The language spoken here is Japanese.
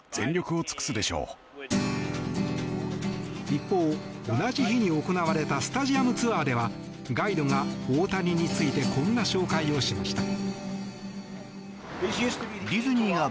一方、同じ日に行われたスタジアムツアーではガイドが大谷についてこんな紹介をしました。